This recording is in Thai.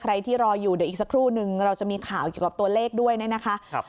ที่รออยู่เดี๋ยวอีกสักครู่นึงเราจะมีข่าวเกี่ยวกับตัวเลขด้วยนะคะ